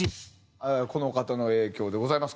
この方の影響でございます。